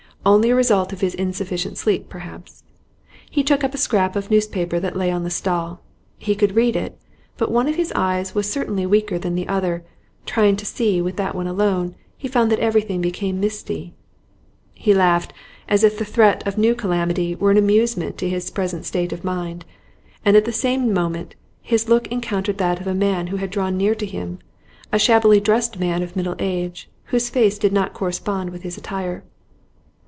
Only a result of his insufficient sleep perhaps. He took up a scrap of newspaper that lay on the stall; he could read it, but one of his eyes was certainly weaker than the other; trying to see with that one alone, he found that everything became misty. He laughed, as if the threat of new calamity were an amusement in his present state of mind. And at the same moment his look encountered that of a man who had drawn near to him, a shabbily dressed man of middle age, whose face did not correspond with his attire.